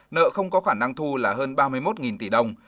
nợ không có khả năng thu là hơn ba mươi một tỷ đồng